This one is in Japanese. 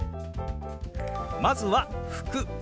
まずは「服」。